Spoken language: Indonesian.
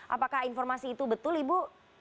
apakah informasi itu betul ibu